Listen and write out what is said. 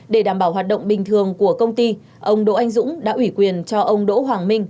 để đảm bảo hoạt động bình thường của công ty ông đỗ anh dũng đã ủy quyền cho ông đỗ hoàng minh